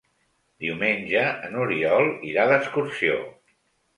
Diumenge n'Oriol irà d'excursió.